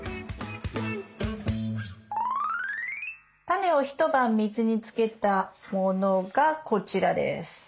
タネを一晩水につけたものがこちらです。